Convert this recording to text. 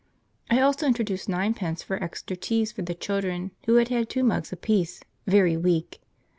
I also introduced ninepence for extra teas for the children, who had had two mugs apiece, very weak.